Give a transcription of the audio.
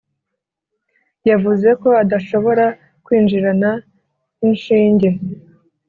yavuzeko adashobora kwinjirana inshinge